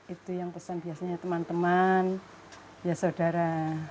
itu yang pesan biasanya teman teman ya saudara